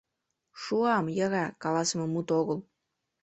«Шуам — йӧра» каласыме мут огыл.